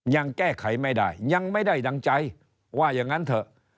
ยังแก้ไขไม่ได้ยังไม่ได้ดังใจว่าอย่างนั้นเถอะ